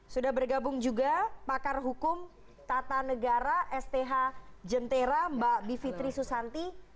sudah bergabung juga pakar hukum tata negara sth jentera mbak bivitri susanti